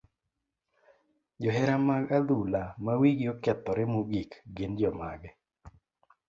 Johera mag adhula ma wigi okethore mogik gin jomage?